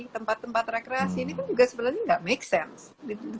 tempat tempat rekreasi ini kan juga sebenarnya nggak make sense